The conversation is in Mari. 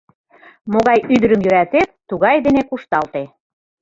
— Могай ӱдырым йӧратет, тугай дене кушталте...